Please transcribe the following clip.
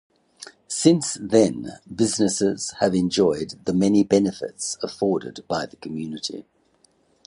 Since then, businesses have enjoyed the many benefits afforded by the community.